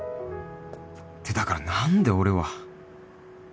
ってだから何で俺は